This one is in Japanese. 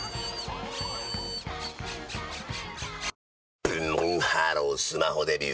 ブンブンハロースマホデビュー！